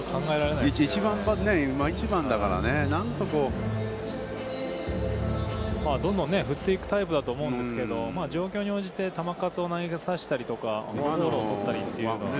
今、１番だからね、なんかこうどんどん振っていくタイプだと思うんですけど、状況に応じて投げさせたりとか、フォアボールをとったりというのはね。